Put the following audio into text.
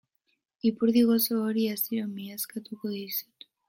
Ipurdi gozo hori astiro miazkatuko dizut.